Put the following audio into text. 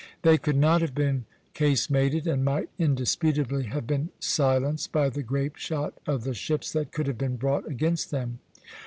They could not have been casemated, and might indisputably have been silenced by the grapeshot of the ships that could have been brought against them.